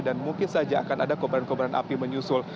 dan mungkin saja akan ada kobaran kobaran api menyusul